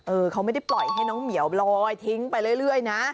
เขาไม่ได้ปล่อยให้น้องเหมียวลอยทิ้งไปเรื่อยนะ